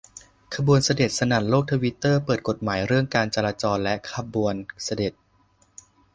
ขบวนเสด็จ สนั่นโลกทวิตเตอร์ เปิดกฎหมายเรื่องการจราจรและขบวนเสด็จ